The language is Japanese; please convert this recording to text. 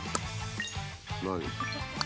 何？